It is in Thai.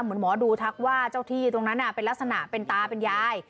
เหมือนหมอดูทักว่าเจ้าที่ตรงนั้นเป็นลักษณะเป็นตาเป็นยาย